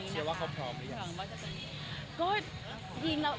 เชื่อว่าเขาพร้อมหรือยัง